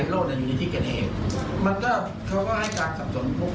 ก็ต้องให้ได้ความจริงจริงให้จัดเจนนะครับ